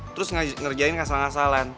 terus ngerjain kasal kasalan